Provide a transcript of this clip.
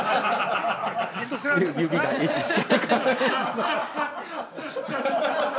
◆指が壊死しちゃうから。